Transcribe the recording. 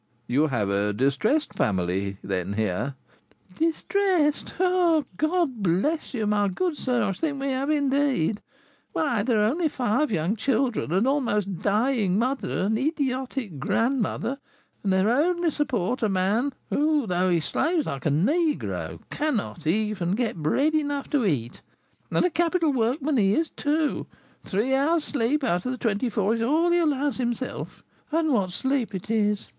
"You have a distressed family, then, here?" "Distressed! Oh, God bless you, my good sir, I think we have, indeed. Why, there are five young children, an almost dying mother, an idiotic grandmother, and their only support a man who, though he slaves like a negro, cannot even get bread enough to eat, and a capital workman he is, too; three hours' sleep out of the twenty four is all he allows himself, and what sleep it is!